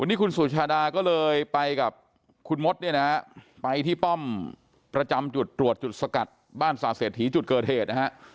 วันนี้คุณสุชาดาก็เลยไปกับคุณมศไปที่ป้อมประจำจุดตรวจจุดสกัดบ้านศาสตร์เสร็จหรือจุดเกอเทศ